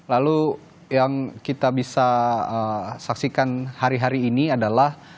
lalu yang kita bisa saksikan hari hari ini adalah